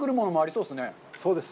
そうです。